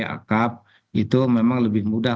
akrab itu memang lebih mudah